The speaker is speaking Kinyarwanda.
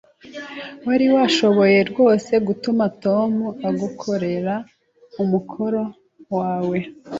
Wari washoboye rwose gutuma Tom agukorera umukoro wawe?